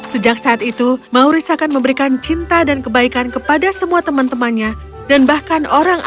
sejak saat itu mauris akan memberikan cinta dan kebaikan kepada semua teman temannya dan bahkan orang orang